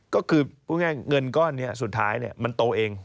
ก็คือพูดง่ายเงินก้อนนี้สุดท้ายมันโตเอง